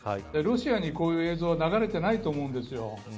ロシアに、こういう映像は流れてないと思うんです。